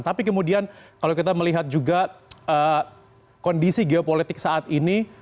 tapi kemudian kalau kita melihat juga kondisi geopolitik saat ini